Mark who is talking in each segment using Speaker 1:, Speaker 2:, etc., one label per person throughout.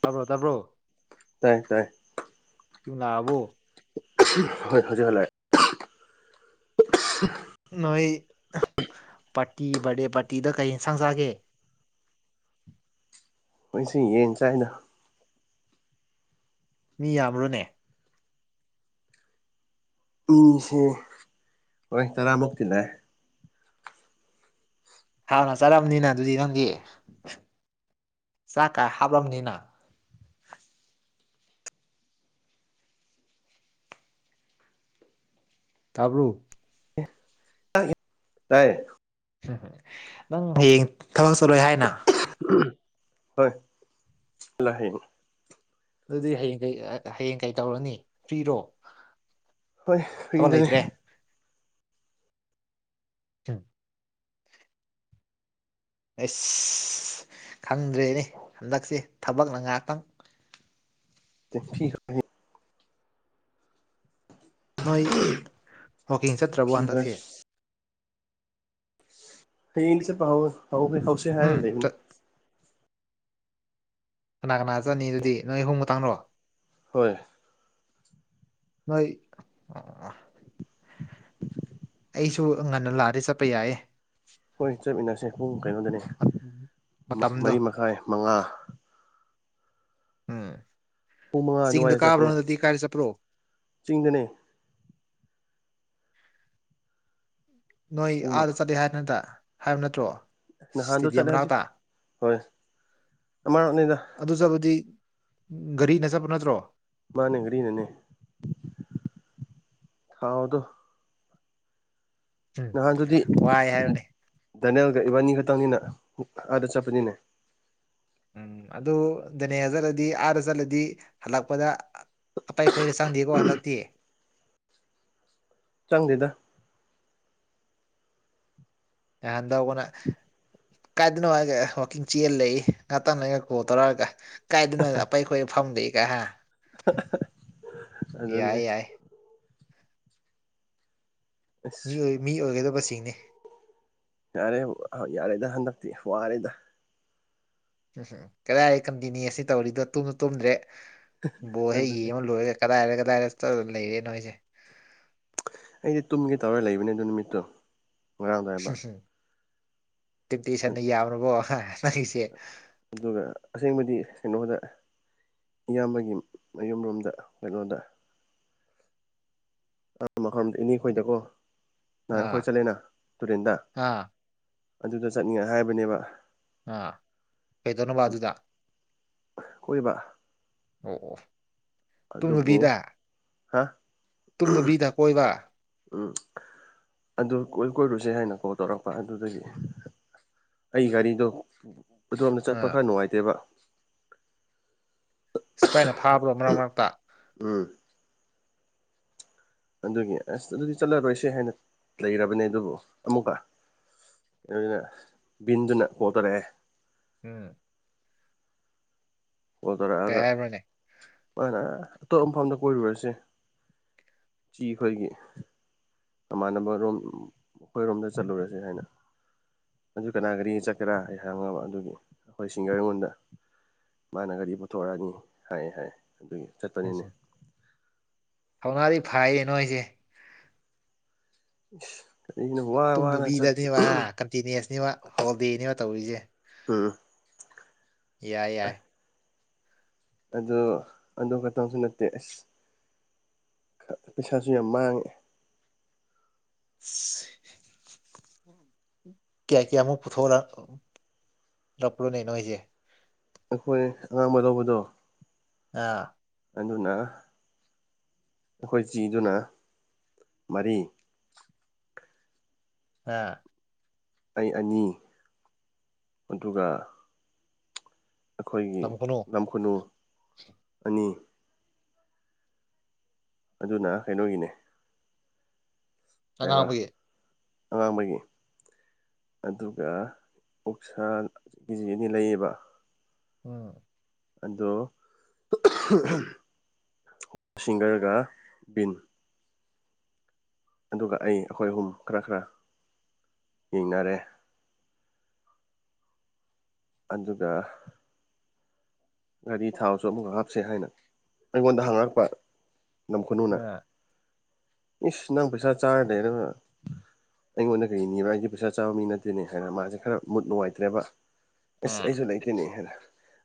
Speaker 1: ꯇꯥꯕ꯭ꯔꯣ ꯇꯥꯕ꯭ꯔꯣ
Speaker 2: ꯇꯥꯏ ꯇꯥꯏꯌꯦ
Speaker 1: ꯂꯥꯛꯑꯕꯣ꯫
Speaker 2: ꯍꯣꯏ ꯍꯧꯖꯤ ꯍꯜꯂꯛꯑꫭ꯫ ꯫ [inaudible]
Speaker 1: ꯅꯣꯏ ꯄꯥꯔꯇꯤ ꯕꯥꯔꯗꯦ ꯄꯥꯔꯇꯤꯗ ꯀꯩ ꯌꯦꯟꯁꯥꯡ ꯆꯥꯒꯦ꯫
Speaker 2: ꯃꯣꯏꯁꯤ ꯌꯦꯟ ꯆꯥꯏꯗ꯫
Speaker 1: ꯃꯤ ꯌꯥꯕ꯭ꯔꫭꯅ‌ꯦ꯫
Speaker 2: ꯃꯤꯁꯦ ꯍꯣꯏ ꯇꯔꯥꯃꯨꯛꯇꯤ ꯂꯥꯛꯑ‌ꯦ꯫
Speaker 1: ꯍꯥꯎꯅ ꯆꯔꯕꯅꯤꯅ ꯑꯗꯨꯗꯤ ꯅꯪꯗꯤ ꯆꯥꯛꯀ ꯍꯥꯞꯑꯝꯅꯤꯅ꯫ ꯇꯥꯕ꯭ꯔꫭ꯫
Speaker 2: ꯇꯥꯏꯌꯦ꯫
Speaker 1: ꯅꯪ ꯍꯌꯦꯡ ꯊꯕꯛ ꯆꯠꯂꯣꯏ ꯍꯥꯏꯅ꯫
Speaker 2: ꯍꯣꯏ ꯂꫭꯏ ꯍꯌ‌ꯦꯡ꯫ [inaudible]
Speaker 1: ꯑꯗꯨꯗꯤ ꯍꯌꯦꯡ ꯀꯩ ꯍꯌꯦꯡ ꯀꯩ ꯇꯧꯔꯨꯅꯤ ꯐ꯭ꯔꯤꯔꯣ꯫
Speaker 2: ꯍꯣꯏ
Speaker 1: ꯊꯕꯛ
Speaker 2: ꯐ꯭ꯔꯤꯗꯅꯦ꯫
Speaker 1: ꯂꯩꯇ꯭ꯔꯦ ꯎꯝ꯫ ꯑꯁ ꯈꯪꯗ꯭ꯔꯦꯅꯦ ꯍꯟꯗꯛꯁꯦ ꯊꯕꯛꯅ ꯉꯥꯛꯇꯪ꯫
Speaker 2: ꯫ [inaudible]
Speaker 1: ꯅꯣꯏ ꯋꯥꯛꯀꯤꯡ ꯆꯠꯇ꯭ꯔꯕꯣ
Speaker 2: ꯐꯤ ꯈꯔ
Speaker 1: ꯍꯟꯗꯛꯁꯤ꯫
Speaker 2: ꯍꯩ ꯌ‌ꯦꯡꯗꯤ ꯆꯠꯄ ꯍꯧꯏ ꯍꯧꯁꯤ
Speaker 1: ꯎꯝ
Speaker 2: ꯍꯥꯏꯔ ꯂꯩꯕꯅꯤ꯫
Speaker 1: ꯆꯠ ꯀꯅꯥ ꯀꯅꯥ ꯆꯠꯅꯤ ꯑꯗꯨꯗꯤ ꯅꯣꯏ ꯑꯍꯨꯝ ꯈꯇꯪꯔꫭ꯫
Speaker 2: ꯍꯣꯏ꯫
Speaker 1: ꯅꯣꯏ ꯑꯩꯁꯨ ꯉꯟꯅ ꯂꯥꯛꯑꯗꯤ ꯆꯠꯄ ꯌꯥꯏꯌꯦ
Speaker 2: ꯍꫭꯏ ꯆꯠꯃꯤꯟꯅꯁꯦ ꯄꯨꯡ ꯀꯩꯅꯣꯗꯅ‌ꯦ
Speaker 1: ꯃꯠ ꯃꯇꯝꯗꯣ
Speaker 2: ꯃꯔꯤ ꯃꯈꯥꯏ ꯃꯉꯥ
Speaker 1: ꯎꯝ
Speaker 2: ꯄꯨꯡ ꯃꯉꯥ
Speaker 1: ꯆꯤꯡꯗ
Speaker 2: ꯑꯗꯨꯋꯥꯏꯗ
Speaker 1: ꯀꯥꯕ꯭ꯔꯣ
Speaker 2: ꯆꯠꯄꯅꯦ
Speaker 1: ꯍꯟꯗꯛꯇꯤ ꯀꯥꯏꯔ ꯆꯠꯄ꯭ꯔꯣ
Speaker 2: ꯆꯤꯡꯗꯅꯦ
Speaker 1: ꯅꯣꯏ
Speaker 2: ꯄꯨꯡ
Speaker 1: ꯑꯥꯗ ꯆꯠꯂꯦ ꯍꯥꯏꯕꯅꯠꯇ ꯍꯥꯏꯕ ꯅꯠꯇ꯭ꯔꯣ
Speaker 2: ꯅꯍꯥꯟꯗ
Speaker 1: ꯏꯁꯇꯦꯗꯤꯌꯝ
Speaker 2: ꯆꯠꯂꯦ ꯍꯧꯖꯤꯛ
Speaker 1: ꯃꯅꯥꯛꯇ
Speaker 2: ꯍꯣꯏ ꯑꯥ ꯅꯦꯗ
Speaker 1: ꯑꯗꯨ ꯆꯠꯄꯗꯤ ꯒꯥꯔꯤꯅ ꯆꯠꯄ ꯅꯠꯇ꯭ꯔꯣ
Speaker 2: ꯃꯥꯅꯦ ꯀꯔꯤꯅꯦꯅꯦ ꯊꯥꯎ ꯑꯣꯗꯣ
Speaker 1: ꯎꯝ
Speaker 2: ꯅꯍꯥꯟꯗꯨꯗꯤ
Speaker 1: ꯋꯥꯏ ꯍꯥꯏꯕꯅꯤ
Speaker 2: ꯅꯦꯜꯒ ꯏꯕꯥꯅꯤ ꯈꯛꯇꯪꯅꯤꯅ ꯑꯥꯗ ꯆꯠꯄꯅꯤꯅꯦ
Speaker 1: ꯎꯝ ꯑꯗꯨ ꯗꯅꯦꯌꯥ ꯆꯠꯂꯗꯤ ꯑꯥꯗ ꯆꯠꯂꯗꯤ ꯍꯜꯂꯛꯄꯗ ꯑꯄꯥꯏ ꯈꯣꯏꯗ ꯆꯪꯗꯦꯀꯣ ꯍꯟꯗꯛꯇꯤ
Speaker 2: ꯆꯪꯗꯦꯗ
Speaker 1: ꯅꯍꯥꯟꯗ ꯇꯧꯕꯅ ꯀꯥꯏꯗꯅꯣ ꯍꯥꯏꯔꯒ ꯋꯥꯛꯀꯤꯡ ꯆꯦꯜ ꯂꯩꯏ ꯉꯍꯥꯛꯇꯪ ꯅꯒ ꯀꯣꯜ ꯇꯧꯔꯛꯑꯒ ꯀꯥꯏꯗꯅꫭ ꯑꯄꯩ ꯈꯣꯏ ꯐꯝꯒꯩꯒ ꯍꯥ
Speaker 2: ꯑꯗꯨꯅꯦ
Speaker 1: ꯌꯥꯏ ꯌꯥꯏ
Speaker 2: ꯑꯁ
Speaker 1: ꯃꯤ ꯃꯤ ꯑꯣꯏꯒꯗꯕꯁꯤꯡꯅ‌ꯦ
Speaker 2: ꯌꯥꯔꯦ ꯌꯥꯔꯦꯗ ꯍꯟꯗꯛꯇꯤ ꯋꯥꯔꯦꯗ
Speaker 1: ꯀꯗꯥꯏ ꯀꯟꯄ‌ꯦꯅꯤ ꯑꯁꯤ ꯇꯧꯔꯤꯗꯣ ꯇꯨꯝꯁꯨ ꯇꯨꯝꯗ꯭ꯔꯦ ꯕꯣꯜ ꯍꯦꯛ
Speaker 2: ꯑꯗꯨꯅꯦ
Speaker 1: ꯌꯦꯡ ꯂꯣꯏꯔꯒ꯫ ꯀꯗꯥꯏꯔ ꯀꯗꯥꯏꯗ ꯆꯠꯂ ꯂꯩꯔꯦ ꯅꯣꯏꯁꯦ
Speaker 2: ꯑꯩꯗꯤ ꯇꯨꯝꯒꯦ ꯇꯧꯔꯒ ꯂꯩꯕꯅꯦ ꯑꯗꯨ ꯅꯨꯃꯤꯠꯇꯣ ꯉꯔꯥꯡꯗꯣ ꯍꯥꯏꯕ
Speaker 1: ꯇꯤꯞꯇꯤ ꯁꯟꯅ ꯌꯥꯕ꯭ꯔꯣꯕꯣ ꯅꯤꯒꯤꯁ‌ꯦ
Speaker 2: ꯑꯗꯨꯒ ꯑꯁꯦꯡꯕꯗꯤ ꯀꯩꯅꯣꯗ ꯏꯌꯥꯝꯕꯒꯤ ꯃꯌꯨꯝꯔꯣꯝꯗ ꯀꯩꯅꯣꯗ ꯑꯥ ꯃꯈꯔꯣꯝꯗ ꯏꯅꯤꯈꯣꯏꯗꯀꯣ ꯅꯍꯥꯟ ꯑꯈꯣꯏ
Speaker 1: ꯑꯥ
Speaker 2: ꯆꯠꯂꯦꯅ ꯇꯨꯔꯦꯟꯗ
Speaker 1: ꯑꯥ
Speaker 2: ꯑꯗꯨꯗ ꯆꯠꯅꯤꯡꯉ‌ꯦ ꯍꯥꯏꯕꯅꯦꯕ
Speaker 1: ꯑꯥ ꯀꯩꯗꯧꯅꯕꯗꯨꯗ
Speaker 2: ꯀꯣꯏꯕ
Speaker 1: ꯑꯣ ꯑꯣ
Speaker 2: ꯑꯗꯨꯕꯨ
Speaker 1: ꯇꯨꯝꯅꯕꯤꯗ
Speaker 2: ꯍꯥ
Speaker 1: ꯇꯨꯝꯅꯕꯤꯗ ꯀꯣꯏꯕ
Speaker 2: ꯎꯝ ꯑꯗꯨ ꯀꯣꯏ ꯀꯣꯏꯔꯨꯁꯦ ꯍꯥꯏꯅ ꯀꯣꯜ ꯇꯧꯔꯛꯄ ꯑꯗꯨꯗꯒꯤ ꯑꯩ ꯒꯥꯔꯤꯗꯣ ꯑꯗꯨꯗꯣꯝꯗ ꯆꯠꯄ
Speaker 1: ꯑꯥ
Speaker 2: ꯈꯔ ꯅꯨꯡꯉꯥꯏꯇꯦꯕ
Speaker 1: ꯁꯤꯐꯥꯏꯅ ꯐꯥꯕ꯭ꯔꯣ ꯃꯔꯛ ꯃꯔꯛꯇ
Speaker 2: ꯎꯝ ꯑꯗꯨꯒꯤ ꯑꯁ ꯑꯗꯨꯗꯤ ꯆꯠꯂꯔꯣꯏꯁꯦ ꯍꯥꯏꯅ ꯂꯩꯔꯕꯅꯦ ꯑꯗꯨꯕꯨ ꯑꯃꯨꯛꯀ ꯑꯗꯨꯅ ꯕꯤꯟꯗꯨꯅ ꯀꯣ ꯇꯧꯔꯛꯑꯦ
Speaker 1: ꯎꯝ
Speaker 2: ꯀꯣ
Speaker 1: ꯀꯩ
Speaker 2: ꯇꯔꯛꯑꯒ
Speaker 1: ꯍꯥꯏꯕ꯭ꯔꯅꯦ
Speaker 2: ꯃꯥꯅ ꯑꯇꯣꯞꯄ ꯃꯐꯝꯗ ꯀꯣꯏꯔꯨꯔꯁꯤ ꯆꯤ ꯍꯣꯏꯒꯤ ꯃꯃꯥꯟꯅꯕ ꯔꯣꯝ ꯑꯩꯈꯣꯏꯔꯣꯝꯗ ꯆꯠꯂꯨꯔꯁꯤ ꯍꯥꯏꯅ ꯑꯗꯨ ꯀꯅꯥ ꯀꯔꯤ ꯆꯠꯀꯦꯔꯥ ꯑꯩ ꯍꯪꯉꯕ ꯑꯗꯨꯒꯤ ꯑꯩꯈꯣꯏ ꯁꯤꯡꯒꯔ ꯑꯩꯉꯣꯟꯗ ꯃꯥꯅ ꯒꯥꯔꯤ ꯄꯨꯊꯣꯔꯛꯑꯅꯤ ꯍꯥꯏꯌꯦ ꯍꯥꯏ ꯑꯗꯨꯒꯤ ꯆꯠꯄꯅꯤꯅꯦ
Speaker 1: ꯊꯧꯅꯥꯗꯤ ꯐꯥꯏꯌꯦ ꯅꯣꯏꯁꯦ
Speaker 2: ꯏꯁ ꯑꯩꯅ ꯋꯥ ꯋꯥꯅ ꯆꯠ
Speaker 1: ꯇꯨꯝꯅꯕꯤꯗꯅꯦꯕ ꯀꯟꯇꯤꯅꯤꯋꯁꯅꯦꯕ ꯍꯣꯜꯗꯦꯅꯦꯕ ꯇꯧꯔꯤꯁꯦ
Speaker 2: ꯎꯝ
Speaker 1: ꯌꯥꯏ ꯌꯥꯏ
Speaker 2: ꯑꯣ ꯑꯗꯨ ꯈꯛꯇꯪꯁꯨ ꯅꯠꯇꯦ ꯑꯁ ꯄꯩꯁꯥꯁꯨ ꯌꯥꯝ ꯃꯥꯡꯉꯦ
Speaker 1: ꯁ ꯀꯌꯥ ꯀꯌꯥꯃꯨꯛ ꯄꯨꯊꯣꯛꯛꯂꯛꯄꯔꯣꯅꯦ ꯅꯣꯏꯁꯦ
Speaker 2: ꯑꯩꯈꯣꯏ ꯑꯉꯥꯡꯕ ꯂꯧꯕꯗꯣ
Speaker 1: ꯑ
Speaker 2: ꯑꯗꯨꯅ ꯑꯩꯈꯣꯏ ꯆꯤꯗꯨꯅ ꯃꯔꯤ
Speaker 1: ꯍꯥ
Speaker 2: ꯑꯩ ꯑꯅꯤ ꯑꯗꯨꯒ ꯑꯩꯈꯣꯏꯒꯤ
Speaker 1: ꯂꯝ ꯈꯨꯅꯨ
Speaker 2: ꯂꯝꯈꯨꯅꯨ ꯑꯅꯤ ꯑꯗꯨꯅ ꯀꯩꯅꯣꯒꯤꯅꯦ ꯍꯥꯏꯕ
Speaker 1: ꯑꯉꯥꯡꯕꯒꯤ
Speaker 2: ꯑꯉꯥꯡꯕꯒꯤ ꯑꯗꯨꯒ ꯑꯣꯛꯁꯥ ꯀꯦ ꯖꯤ ꯑꯅꯤ ꯂꯩꯌꯦꯕ
Speaker 1: ꯎꯝ
Speaker 2: ꯑꯗꯣ ꯁꯤꯡꯒꯔꯒ ꯄꯤꯟ ꯑꯗꯨꯒ ꯑꯩ ꯑꯩꯈꯣꯏ ꯑꯍꯨꯝ ꯈꯔ ꯈꯔ ꯌꯦꯡꯅꯔꯦ ꯑꯗꯨꯒ ꯒꯥꯔꯤ ꯊꯥꯎꯁꯨ ꯑꯃꯨꯛꯀ ꯍꯥꯞꯁꯦ ꯍꯥꯏꯅ ꯑꯩꯉꯣꯟꯗ ꯍꯪꯉꯛꯄ ꯂꯝꯈꯨꯅꯨꯅ
Speaker 1: ꯑꯥ
Speaker 2: ꯏꯁ ꯅꯪ ꯄꯩꯁꯥ ꯆꯔ ꯂꯩꯔꯒ ꯑꯩꯉꯣꯟꯗ ꯀꯔꯤꯅꯤꯕ ꯑꯩꯗꯤ ꯄꯩꯁꯥ ꯆꯥꯕ ꯃꯤ ꯅꯠꯇꯦꯅꯦ ꯍꯥꯏꯅ ꯃꯥꯁꯦ ꯈꯔ ꯃꯨꯠ ꯅꯨꯡꯉꯥꯏꯇ꯭ꯔꯦꯕ ꯑꯁ
Speaker 1: ꯑꯥ
Speaker 2: ꯑꯩꯁꯨ ꯂꯩꯇꯦꯅꯦ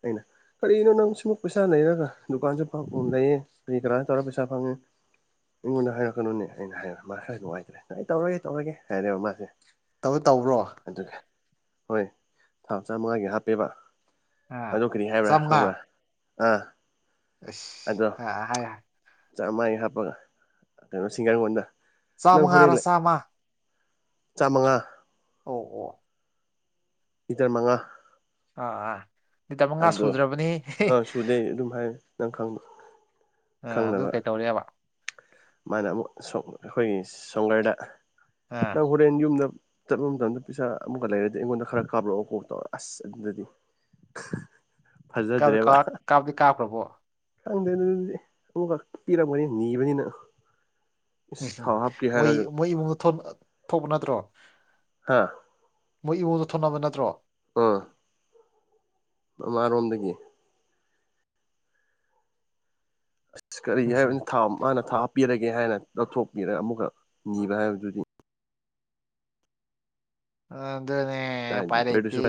Speaker 2: ꯑꯩꯅ ꯀꯔꯤꯅꯣ ꯅꯪ ꯁꯤꯃꯛ ꯄꯩꯁꯥ ꯂꯩꯔꯒ ꯗꯨꯀꯥꯟꯁꯨ ꯂꯩꯌꯦ ꯀꯃꯥꯏꯅ ꯇꯧꯔꯒ ꯄꯩꯁꯥ ꯐꯪꯉꯦ ꯑꯩꯉꯣꯟꯗ ꯍꯥꯏꯔꯛꯀꯅꯨꯅꯦ ꯑꯩꯅ ꯍꯥꯏ ꯃꯥ ꯈꯔ ꯅꯨꯡꯉꯥꯏꯇ꯭ꯔꯦ ꯅ ꯑꯩ ꯇꯧꯔꯒꯦ ꯇꯧꯔꯒꯦ ꯍꯥꯏꯔꯦꯕ ꯃꯥꯁꯦ
Speaker 1: ꯇꯧ ꯇꯧꯕ꯭ꯔꯣ
Speaker 2: ꯑꯗꯨꯒ ꯍꯣꯏ ꯊꯥ ꯆꯥꯝꯃꯉꯥꯒꯤ ꯍꯥꯞꯄꯦꯕ
Speaker 1: ꯑꯥ
Speaker 2: ꯑꯗꯨ ꯀꯔꯤ ꯍꯥꯏꯕ꯭ꯔꯥ ꯈꯪꯕ꯭ꯔꯥ ꯑꯥ
Speaker 1: ꯑ ꯍꯥꯏ
Speaker 2: ꯆꯥꯝꯃ ꯍꯥꯞꯄꯒ ꯀꯩꯅꯣ ꯁꯤꯡꯒꯥꯔꯒꯣꯟꯗ ꯅꯪ ꯍꯣꯔꯦꯟ
Speaker 1: ꯆꯥꯝꯃꯉꯥꯔ
Speaker 2: ꯂꯩ
Speaker 1: ꯆꯥꯝꯃ
Speaker 2: ꯆꯥꯝꯃꯉꯥ
Speaker 1: ꯑꯣ ꯑꯣ
Speaker 2: ꯂꯤꯇꯔ ꯃꯉꯥ
Speaker 1: ꯑꯥ ꯑꯥ ꯂꯤꯇꯔꯃꯉꯥ
Speaker 2: ꯑꯗꯣ
Speaker 1: ꯁꯨꯗ꯭ꯔꯕꯅꯤ
Speaker 2: ꯑꯥ ꯁꯨꯗꯦ ꯑꯗꯨꯝ ꯍꯥꯏ ꯅꯪꯈꯪꯕ꯭ꯔ
Speaker 1: ꯑ ꯑꯗꯨ ꯀꯩꯇꯧꯔꯦꯕ
Speaker 2: ꯃꯥꯅ ꯑꯃꯨꯛ ꯑꯩꯈꯣꯏꯒꯤ ꯁꯪꯒꯔꯗ
Speaker 1: ꯑꯥ
Speaker 2: ꯐ꯭ꯔꯦꯟ ꯌꯨꯝꯗ ꯆꯠꯄ ꯃꯇꯝꯗ ꯄꯩꯁꯥ ꯑꯃꯨꯛꯀ ꯂꯩꯔꯗꯤ ꯑꯩꯉꯣꯟꯗ ꯈꯔ ꯀꯥꯞꯂꯛꯑꯣ ꯈꯣꯠꯄ ꯇꯧ ꯑꯁ ꯑꯗꯨꯗꯗꯤ ꯐꯖꯗ꯭ꯔꯦꯕ
Speaker 1: ꯀꯥꯞ ꯀꯥꯞꯗꯤ ꯀꯥꯞꯈ꯭ꯔꯕꯣ
Speaker 2: ꯈꯪꯗꯦ ꯑꯗꯨꯗꯤ ꯑꯃꯨꯛꯀꯛ ꯄꯤꯔꯛꯄꯅꯤ ꯅꯤꯕꯅꯤꯅ
Speaker 1: ꯎꯝ
Speaker 2: ꯏꯁ ꯊꯥꯎ
Speaker 1: ꯎꯝ
Speaker 2: ꯍꯥꯞꯀꯦ
Speaker 1: ꯃꯣꯏ
Speaker 2: ꯍꯥꯏꯔꯒ
Speaker 1: ꯃꯣꯏ ꯏꯕꯨꯡꯗ ꯊꯣꯛꯄ ꯅꯠꯇ꯭ꯔꯣ
Speaker 2: ꯍꯥ
Speaker 1: ꯃꯣꯏ ꯏꯕꯣꯗ ꯊꯣꯛꯅꯕ ꯅꯠꯇ꯭ꯔꯣ
Speaker 2: ꯑꯥ ꯃꯃꯥ ꯔꯣꯝꯗꯒꯤ ꯑ ꯀꯔꯤ
Speaker 1: ꯎꯝ
Speaker 2: ꯍꯥꯏꯕꯅ ꯊꯥꯎ ꯃꯥꯅ ꯊꯥꯎ ꯍꯥꯞꯄꯤꯔꯒꯦ ꯍꯥꯏꯅ ꯂꯧꯊꯣꯛꯄꯤꯔꯒ ꯑꯃꯨꯛꯀ ꯅꯤꯕ ꯍꯥꯏꯕꯗꯨꯗꯤ
Speaker 1: ꯑꯗꯨꯗꯅꯦ
Speaker 2: ꯀꯗꯥꯏꯗꯤ ꯑꯗꯨꯁꯨ
Speaker 1: ꯎꯄꯥꯏꯂꯩꯇꯦ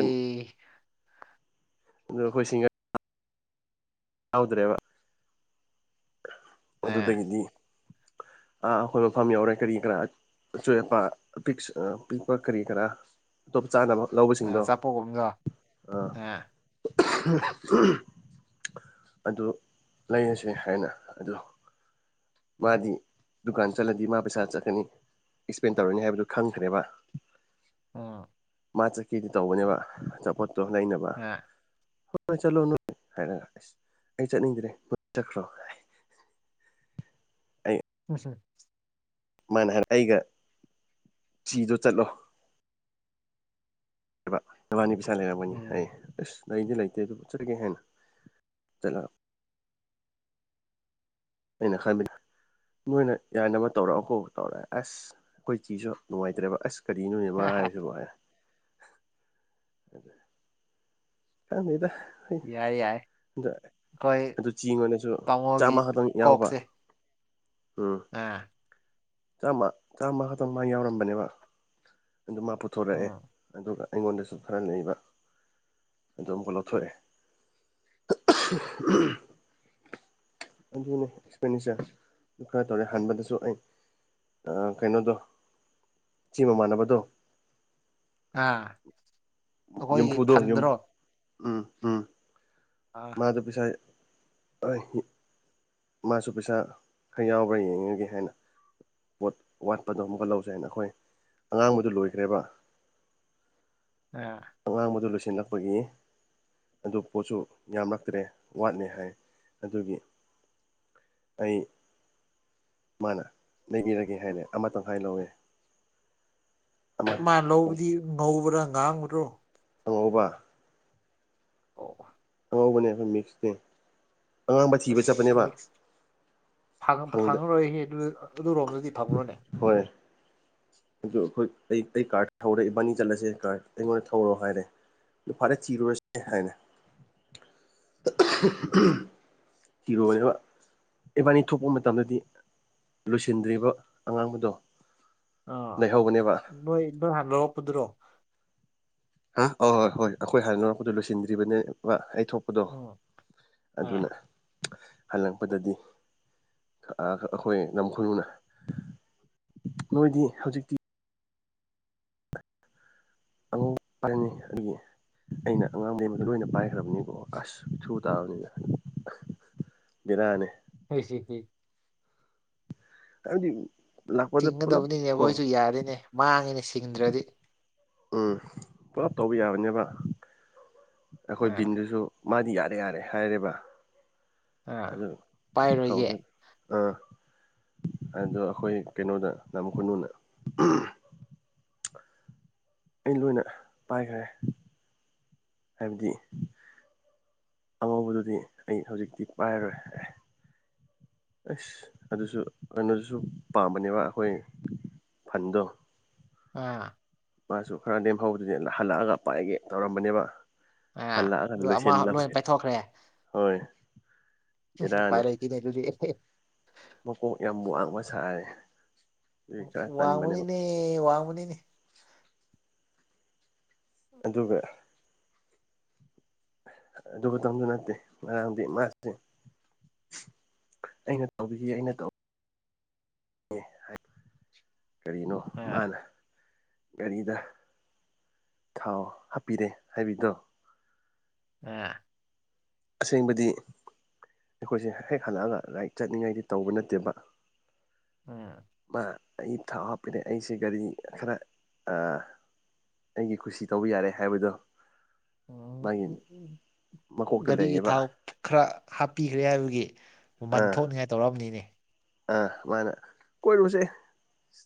Speaker 2: ꯑꯗ ꯑꯩꯈꯣꯏ ꯁꯤꯡꯒ ꯌꯥꯎꯗ꯭ꯔꯦꯕ
Speaker 1: ꯑꯥ
Speaker 2: ꯑꯣꯗꯨꯗꯒꯗꯗꯤ ꯑꯥ ꯑꯩꯈꯣꯏ ꯃꯐꯝ ꯌꯥꯎꯔꯦ ꯀꯔꯤ ꯀꯔꯥ ꯑꯆꯣꯏ ꯑꯄꯥ ꯑ ꯄꯤꯛꯄ ꯀꯔꯤ ꯀꯔꯥ ꯑꯇꯣꯞ ꯆꯥꯅꯕ ꯂꯧꯕꯁꯤꯡꯗꯣ
Speaker 1: ꯑꯆꯥꯄꯣꯠꯒꯨꯝꯕꯗꯣ
Speaker 2: ꯑꯥ ꯑꯗꯨ ꯂꯩꯔꯁꯦ ꯍꯥꯏꯅ ꯑꯗꯨ ꯃꯥꯗꯤ ꯗꯨꯀꯥꯟ ꯆꯠꯂꯗꯤ ꯃꯥ ꯄꯩꯁꯥ ꯆꯠꯀꯅꯤ ꯑꯦꯛꯁꯄꯦꯟ ꯇꯧꯔꯅꯤ ꯍꯥꯏꯕꯗꯨ ꯈꯪꯈ꯭ꯔꯦꯕ
Speaker 1: ꯑꯥ
Speaker 2: ꯃꯥ ꯆꯠꯀꯦꯗꯤ ꯇꯧꯕꯅꯦꯕ ꯑꯆꯥꯄꯣꯠꯇꯣ ꯂꯩꯅꯕ
Speaker 1: ꯑꯥ
Speaker 2: ꯍꯣꯏ ꯍꯣꯏ ꯆꯠꯂꯣ ꯅꯣꯏ ꯍꯥꯏꯔꯒ ꯑꯁ ꯑꯩ ꯆꯠꯅꯤꯡꯗ꯭ꯔꯦ ꯅꯣꯏ ꯆꯠꯈ꯭ꯔꯣ ꯑꯩ
Speaker 1: ꯎ [unintelligible]
Speaker 2: ꯃꯥꯅ ꯍꯥꯏꯔ ꯑꯩꯒ ꯆꯤꯗꯣ ꯆꯠꯂꯣ ꯅꯕꯅꯤ ꯄꯩꯁꯥ ꯂꯩꯔꯝꯃꯅꯤ ꯍꯥꯏꯌꯦ
Speaker 1: ꯎꯝ
Speaker 2: ꯑꯁ ꯂꯩꯗꯤ ꯂꯩꯇꯦ ꯑꯗꯨꯝ ꯆꯠꯂꯒꯦ ꯍꯦꯅ ꯆꯠꯂꯦ ꯑꯩꯅ ꯈꯪꯕꯗ ꯅꯣꯏꯅ ꯌꯥꯅꯕ ꯇꯧꯔꯛꯑ ꯀꯥꯎ ꯇꯧꯔꯛꯑꯦ ꯑꯁ ꯑꯩꯈꯣꯏ ꯆꯤꯁꯨ ꯅꯨꯡꯉꯥꯏꯇ꯭ꯔꯦꯕ ꯑꯁ ꯀꯔꯤ ꯅꯣꯅꯦꯕ ꯍꯥꯏꯁꯤꯕꯨ ꯎꯝ ꯈꯪꯗꯦꯗ
Speaker 1: ꯌꯥꯏ ꯌꯥꯏ
Speaker 2: ꯑ
Speaker 1: ꯑꯩꯈꯣꯏ
Speaker 2: ꯑꯗꯨ ꯆꯦꯡ ꯑꯣꯏꯅꯁꯨ
Speaker 1: ꯇꯥꯃꯣꯒꯤ
Speaker 2: ꯆꯥꯝꯃ ꯈꯛꯇꯪ ꯌꯥꯎꯕ
Speaker 1: ꯀꯣꯛꯁꯦ
Speaker 2: ꯎꯝ
Speaker 1: ꯑꯥ
Speaker 2: ꯆꯥꯝꯃ ꯆꯥꯝꯃ ꯈꯛꯇꯪ ꯃꯥ ꯌꯥꯎꯔꯝꯕꯅꯦꯕ ꯑꯗꯨ ꯃꯥ ꯄꯨꯊꯣꯔꯛꯑꯦ
Speaker 1: ꯎꯝ
Speaker 2: ꯑꯗꯨꯒ ꯑꯩꯉꯣꯟꯗꯁꯨ ꯈꯔ ꯂꯩꯕ ꯑꯗꯨꯝ ꯑꯃꯨꯛꯀꯥ ꯂꯧꯊꯣꯛꯑ ꯑꯗꯨꯅꯤ ꯑꯦꯛꯁꯄꯦꯟꯗꯤꯆꯔ ꯈꯔ ꯇꯧꯔꯦ ꯍꯥꯟꯕꯗꯁꯨ ꯑꯩ ꯀꯩꯅꯣꯗꯣ ꯆꯤ ꯃꯃꯥꯟꯅꯕꯗꯣ
Speaker 1: ꯑꯥ ꯑꯩꯈꯣꯏꯒꯤ
Speaker 2: ꯌꯨꯝꯐꯨꯗꯣ
Speaker 1: ꯐꯟꯗ꯭ꯔꯣ
Speaker 2: ꯌꯨꯝꯐꯨꯗꯣ ꯎꯝ ꯎꯝ
Speaker 1: ꯑꯥ
Speaker 2: ꯑꯗꯨꯗ ꯄꯩꯁꯥꯏ ꯑꯩ ꯃꯥꯁꯨ ꯄꯩꯁꯥ ꯈꯔ ꯌꯥꯎꯕ꯭ꯔꯥ ꯌꯦꯡꯉꯒꯦ ꯍꯥꯏꯅ ꯄꯣꯠ ꯋꯥꯠꯄꯗꯣ ꯑꯃꯨꯛꯀ ꯂꯧꯁꯦ ꯍꯥꯏꯅ ꯑꯩꯈꯣꯏ ꯑꯉꯥꯡꯕꯗꯨ ꯂꯣꯏꯈ꯭ꯔꯦꯕ
Speaker 1: ꯑ
Speaker 2: ꯑꯉꯥꯡꯕꯗꯨ ꯂꯣꯏꯁꯤꯜꯂꯛꯄꯒꯤ ꯑꯗꯨ ꯄꯣꯠꯁꯨ ꯌꯥꯝꯂꯛꯇ꯭ꯔꯦ ꯋꯥꯠꯂ ꯍꯥꯏ ꯑꯗꯨꯒꯤ ꯑꯩ ꯃꯥꯅ ꯂꯩꯕꯤꯔꯒꯦ ꯍꯥꯏꯅ ꯑꯃꯇꯪ ꯍꯥꯏꯥꯏ ꯂꯧꯋꯦ
Speaker 1: ꯑꯃ ꯂꯧꯕꯗꯤ ꯉꯧꯕ꯭ꯔꯥ ꯉꯥꯡꯕ꯭ꯔꯣ
Speaker 2: ꯑꯪꯉꯧꯕ
Speaker 1: ꯑꯣ
Speaker 2: ꯑꯣꯢꯕꯅꯦ ꯑꯩꯈꯣꯏ ꯃꯤꯁꯅꯦ
Speaker 1: ꯑꯁ
Speaker 2: ꯐꯪꯗ
Speaker 1: ꯐꯪꯉꯔꯣꯏꯍꯦ ꯑꯗꯨ ꯑꯗꯨꯔꯣꯝꯗꯗꯤ ꯐꯪꯉꯔꯣꯅꯦ
Speaker 2: ꯍꯣꯏ ꯑꯗꯨ ꯑꯩꯈꯣꯏ ꯑꯩ ꯑꯩ ꯀꯥꯔꯠ ꯊꯧꯔꯦ ꯏꯕꯥꯅꯤ ꯆꯠꯂꯁꯦ ꯀꯥꯔ ꯑꯩꯉꯣꯟꯗ ꯊꯧꯔꯣ ꯍꯥꯏꯔꯦ ꯐꯔꯦ ꯊꯤꯔꯣꯏꯁꯦ ꯍꯥꯏꯅ ꯀꯤꯔꯣꯏꯕ ꯏꯕꯥꯅꯤ ꯊꯣꯛꯄ ꯃꯇꯝꯗꯗꯤ ꯂꯣꯏꯁꯤꯟꯗ꯭ꯔꯤꯕ ꯑꯉꯥꯡꯕꯗꯣ
Speaker 1: ꯑꯥ
Speaker 2: ꯂꯩꯍꯧꯕꯅꯦꯕ
Speaker 1: ꯅꯣꯏ ꯅꯣꯏ ꯍꯥꯟ ꯂꯧꯔꯛꯄꯗꯨꯔꯣ
Speaker 2: ꯑ ꯍꯣꯏ ꯍꯣꯏ ꯍꯣꯏ ꯑꯩꯈꯣꯏ ꯍꯥꯏꯥꯟꯅ ꯑꯩꯣꯏꯗꯣ ꯂꯣꯏꯁꯤꯟꯗ꯭ꯔꯤꯕꯅꯦ ꯑꯩ ꯊꯣꯛ ꯗꯣ
Speaker 1: ꯎꯝ
Speaker 2: ꯑꯗꯨꯅ
Speaker 1: ꯑꯥ
Speaker 2: ꯍꯜꯂꯛꯄꯗꯗꯤ ꯑꯩꯈꯣꯏ ꯂꯝ ꯈꯨꯔꯨꯅ ꯅꯣꯏꯗꯤ ꯍꯧꯖꯤꯛꯇꯤ ꯑꯉ ꯐꯔꯅꯤ ꯑꯗꯨꯒꯦ [inaudible] ꯑꯩꯅ ꯑꯉꯥꯡꯕꯩꯃꯛꯇ ꯂꯣꯏꯅ ꯄꯥꯏꯈ꯭ꯔꯕꯅꯤꯀꯣ ꯑꯁ ꯊ꯭ꯔꯨ ꯇꯥꯕꯅꯤꯅ ꯕꯦꯔꯅꯦ
Speaker 1: ꯍ ꯁꯤ [inaudible]
Speaker 2: ꯍꯥꯏꯗꯤ
Speaker 1: ꯆꯤꯡꯒꯗꯕꯅꯤꯅꯦ ꯑꯩꯈꯣꯏꯁꯨ ꯌꯥꯔꯤꯅꯦ ꯃꯥꯡꯉꯤꯅꯦ ꯁꯤꯡꯗ꯭ꯔꯗꯤ
Speaker 2: ꯎꯝ ꯄꯨꯂꯞ ꯇꯧꯕ ꯌꯥꯕꯅꯦꯕ ꯑꯩꯈꯣꯏ
Speaker 1: ꯑꯥ
Speaker 2: ꯕꯤꯟꯗꯨꯁꯨ ꯃꯥꯗꯤ ꯌꯥꯔꯦ ꯌꯥꯔꯦ ꯍꯥꯏꯔꯦꯕ
Speaker 1: ꯑꯥ
Speaker 2: ꯑꯗꯨ
Speaker 1: ꯄꯥꯏꯔꯣꯏꯒꯦ
Speaker 2: ꯊ꯭ꯔꯥꯎꯅ ꯑꯥ ꯑꯗꯣ ꯑꯩꯈꯣꯏ ꯀꯩꯅꯣꯗ ꯝ ꯎꯝ ꯑꯩ ꯂꯣꯏꯅ ꯄꯥꯏꯈ꯭ꯔꯦ ꯍꯥꯏꯕꯗꯤ ꯑꯉꯧꯕꯗꯨꯗꯤ ꯑꯩ ꯍꯧꯖꯤꯛꯇꯤ ꯄꯥꯏꯔꯔꯣꯏ ꯑꯦ ꯑꯁ ꯑꯗꯨꯁꯨ ꯀꯩꯅꯣꯗꯨꯁꯨ ꯄꯥꯝꯕꯅꯦꯕ ꯑꯩꯈꯣꯏ ꯐꯟꯗꯣ
Speaker 1: ꯑꯥ
Speaker 2: ꯃꯥꯁꯨ ꯈꯔ ꯂꯦꯝꯍꯧꯕꯗꯨꯅꯦ ꯍꯜꯂꯛꯑꯒ ꯄꯥꯏꯒꯦ ꯇꯧꯔꯝꯕꯅꯦꯕ
Speaker 1: ꯑꯥ
Speaker 2: ꯍꯂ
Speaker 1: ꯑꯗꯨ ꯑꯃ
Speaker 2: ꯂꯣꯏꯁꯟ ꯂꯝ
Speaker 1: ꯂꯣꯏ ꯄꯥꯏꯊꯣꯛꯈ꯭ꯔꯦ
Speaker 2: ꯍꯣꯏ ꯕꯦꯔꯥꯅꯤ
Speaker 1: ꯎꯄꯥꯌ ꯂꯩꯇꯦꯅꯦ ꯑꯗꯨꯗꯤ꯫
Speaker 2: ꯃꯀꯣꯛ ꯌꯥꯝ ꯋꯥꯡꯕ ꯁꯥꯏꯔꯦ꯫
Speaker 1: ꯋꯥꯡꯕꯅꯤꯅꯦ ꯋꯥꯡꯕꯅꯤꯅꯦ
Speaker 2: ꯑꯗꯨꯒ ꯑꯗꯨꯇꯁꯨ ꯅꯠꯇꯦ ꯉꯔꯥꯡꯗꯤ ꯃꯥꯁꯦ ꯑꯩꯅ ꯇꯧꯕꯈꯤꯁꯤ ꯑꯩꯅ ꯇꯧ ꯑ ꯀꯔꯤꯅꯣ
Speaker 1: ꯑꯥ
Speaker 2: ꯃꯥꯅ ꯒꯥꯔꯤꯗ ꯊꯥꯎ ꯍꯥꯞꯄꯤꯔꯦ ꯍꯥꯏꯕꯤꯗꯣ
Speaker 1: ꯑꯥ
Speaker 2: ꯑꯁꯦꯡꯕꯗꯤ ꯑꯩꯈꯣꯏꯁꯦ ꯍꯦꯛ ꯍꯜꯂꯛꯑꯒ ꯔꯥꯏꯠ ꯆꯠꯅꯤꯡꯉꯥꯏꯗꯤ ꯇꯧꯕ ꯅꯠꯇꯦꯕ
Speaker 1: ꯎꯝ
Speaker 2: ꯃꯥ ꯑꯩ ꯊꯥꯎ ꯍꯥꯞꯄꯤꯔꯦ ꯑꯩꯁꯦ ꯒꯥꯔꯤ ꯈꯔ ꯑꯥ ꯑꯩꯒꯤ ꯈꯨꯁꯤ ꯇꯧꯕ ꯌꯥꯔꯦ ꯍꯥꯏꯕꯗꯣ ꯃꯥꯒꯤ
Speaker 1: ꯎ ꯎ
Speaker 2: ꯃꯀꯣꯛꯇ
Speaker 1: ꯒꯥꯔꯤꯒꯤ
Speaker 2: ꯂꯩꯌꯦꯕ
Speaker 1: ꯊꯥꯎ ꯈꯔ ꯍꯥꯞꯄꯤꯈ꯭ꯔꯦ ꯍꯥꯏꯕꯒꯤ ꯃꯟ
Speaker 2: ꯑꯥ
Speaker 1: ꯊꯣꯛꯅꯤꯡꯉꯥꯏ ꯇꯧꯔꯕꯅꯤꯅꯦ꯫
Speaker 2: ꯑꯥ ꯁꯨꯃꯥꯏꯅ ꯀꯣꯏꯔꯨꯁꯦ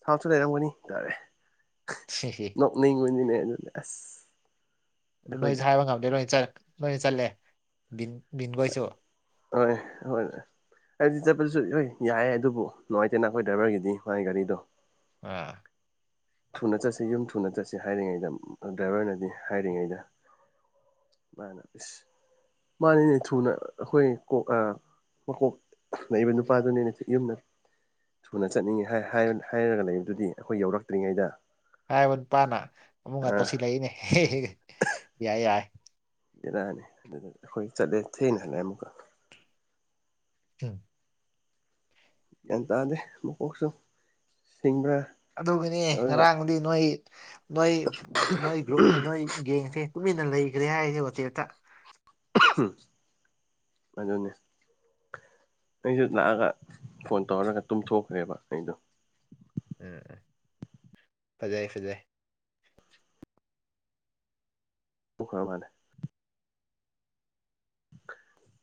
Speaker 2: ꯊꯞꯁꯨ ꯂꯩꯔꯝꯒꯅꯤ ꯇꯥꯔꯦ
Speaker 1: ꯍ ꯍ
Speaker 2: ꯂꯩꯉꯅꯤꯅꯦ ꯑꯗꯨꯅꯦ
Speaker 1: ꯑꯗꯨ ꯅꯣꯏꯁꯨ
Speaker 2: ꯑꯩꯈꯣꯏꯗꯤ
Speaker 1: ꯍꯥꯏꯕ ꯉꯝꯗꯦ ꯂꯣꯏ ꯂꯣꯏ ꯆꯠꯂꯦ ꯕꯤꯟꯈꯣꯏꯁꯨ
Speaker 2: ꯍꯣꯏ ꯍꯣꯏ ꯍꯥꯏꯗꯤ ꯆꯠꯄꯗꯨꯁꯨ ꯂꯣꯏꯟ ꯌꯥꯏꯌꯦ ꯑꯗꯨꯕꯨ ꯅꯨꯡꯉꯥꯏꯇꯦꯅ ꯑꯩꯈꯣꯏ ꯗ꯭ꯔꯥꯏꯚꯔꯒꯤꯗꯤ ꯃꯥꯒꯤ ꯒꯥꯔꯤꯗꯣ
Speaker 1: ꯑꯥ
Speaker 2: ꯊꯨꯅ ꯆꯠꯁꯤ ꯌꯨꯝ ꯊꯨꯅ ꯆꯠꯁꯤ ꯍꯥꯏꯔꯤꯉꯩꯗ ꯗ꯭ꯔꯥꯏꯚꯔꯅꯗꯤ ꯍꯥꯏꯔꯤꯉꯩꯗ ꯑꯗꯨꯃꯥꯏꯅ ꯏꯁ ꯃꯥꯅꯤꯅꯦ ꯊꯨꯅ ꯑꯩꯈꯣꯏ ꯀꯣꯛ ꯑ ꯃꯀꯣꯛ ꯂꯩꯕ ꯅꯨꯄꯥꯗꯨꯅꯤꯅꯦ ꯌꯨꯝꯗ ꯊꯨꯅ ꯆꯠꯅꯤꯡꯉꯤ ꯍꯥꯏ ꯍꯥꯏ ꯍꯥꯏꯔꯒ ꯂꯩꯕꯗꯨꯗꯤ ꯑꯩꯈꯣꯏ ꯌꯧꯔꯛꯇ꯭ꯔꯤꯉꯩꯗ
Speaker 1: ꯍꯥꯏꯕ ꯅꯨꯄꯥꯅ ꯑꯃꯨꯛ ꯀ
Speaker 2: ꯑꯥ
Speaker 1: ꯇꯧꯁꯤꯜꯂꯛꯏꯅꯦ ꯍꯦ ꯍꯦ ꯌꯥꯏ ꯌꯥꯏ
Speaker 2: ꯕꯦꯔꯥꯅꯤ ꯑꯗꯨꯗ ꯑꯩꯈꯣꯏ ꯆꯠꯂꯦ ꯊꯦꯡꯅ ꯍꯜꯂꯦ ꯑꯃꯨꯛꯀ
Speaker 1: ꯎꯝ
Speaker 2: ꯒ꯭ꯌꯥꯟ ꯇꯥꯗꯦ ꯃꯀꯣꯛꯁꯨ ꯁꯤꯡꯕ꯭ꯔꯥ?
Speaker 1: ꯑꯗꯨꯒꯤꯅꯤ
Speaker 2: ꯇꯧꯔꯒ
Speaker 1: ꯉꯔꯥꯡꯗꯤ ꯅꯣꯏ ꯅꯣꯏ ꯅꯣꯏ ꯒ꯭ꯔꯨꯞ ꯅꯣꯏ ꯒꯦꯡꯁꯤ ꯇꯨꯝꯃꯤꯟꯅ ꯂꯩꯒ꯭ꯔꯦ ꯍꯥꯏꯌꯦ ꯋꯥꯆꯦꯞꯇ
Speaker 2: ꯑꯗꯨꯅꯦ꯫ ꯑꯩꯁꯨ ꯂꯥꯛꯑꯒ ꯐꯣꯟ ꯇꯧꯔꯒ ꯇꯨꯝꯊꯣꯛꯈ꯭ꯔꯦꯕ ꯑꯩꯗꯣ
Speaker 1: ꯎꯝ ꯎꯝ ꯐꯖꯩ ꯐꯖꯩ
Speaker 2: ꯃꯨꯈꯔ ꯃꯥꯂꯦ꯫ [inaudible]